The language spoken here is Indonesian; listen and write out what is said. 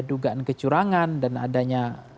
dugaan kecurangan dan adanya